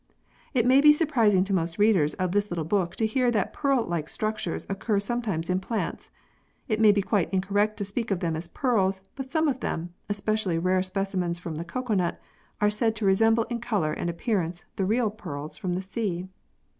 It may be surprising to most readers of this little book to hear that pearl like structures occur some times in plants. It may be quite incorrect to speak of them as pearls, but some of them, especially rare specimens from the cocoanut, are said to resemble in colour and appearance the real pearls from the sea.